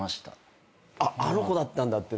あの子だったんだって。